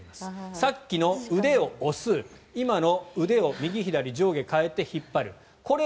さっきの腕を押す今の、腕を右左上下変えて引っ張る。